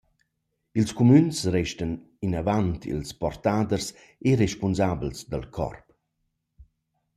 Ils cumüns restan inavant ils portaders e respunsabels dal corp.